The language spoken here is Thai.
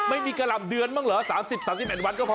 กะหล่ำเดือนบ้างเหรอ๓๐๓๑วันก็พอ